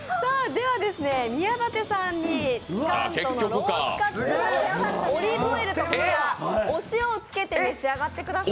宮舘さんにつかんとのロースカツ、オリーブオイルとお塩をつけて召し上がってください。